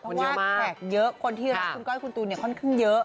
เพราะว่าแขกเยอะคนที่รักคุณก้อยคุณตูนเนี่ยค่อนข้างเยอะ